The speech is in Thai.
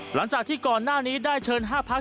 หลังจากที่ก่อนหน้านี้ได้เชิญ๕พัก